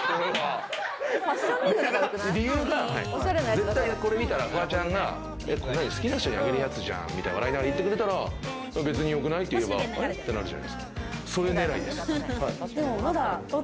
絶対、これ見たらフワちゃんが好きな人にあげるやつじゃん！って笑いながら言ってくれたら別によくない？って言って、あれってなるじゃん。